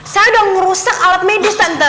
saya udah ngerusak alat medis tante